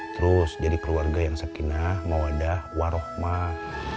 terus jadi keluarga yang sakinah mawadah warohmah